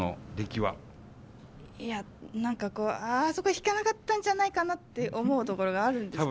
いや何かあそこ弾かなかったんじゃないかなって思うところがあるんですけど。